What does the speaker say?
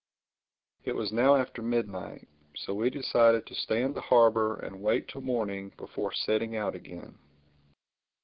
It was now after midnight; so we decided to stay in the harbor and wait till morning before setting out again.